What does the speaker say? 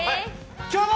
今日も！